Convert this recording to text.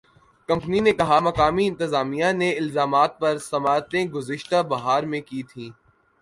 company نے کہا مقامی انتظامیہ نے الزامات پر سماعتیں گذشتہ بہار میں کی تھیں